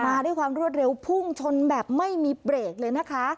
มาด้วยความรวดเร็วพุ่งชนแบบไม่มีเบรกเลยนะคะ